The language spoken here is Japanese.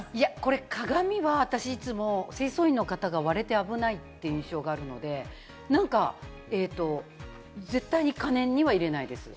鏡は私、いつも清掃員の方が割れて危ないっていう印象があるので、絶対に可燃には入れないです。